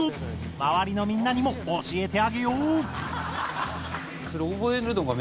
周りのみんなにも教えてあげよう！